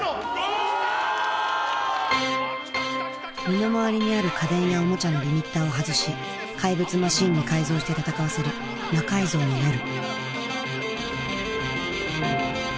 身の回りにある家電やおもちゃのリミッターを外し怪物マシンに改造して戦わせる「魔改造の夜」。